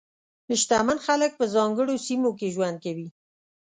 شتمن خلک په ځانګړو سیمو کې ژوند کوي.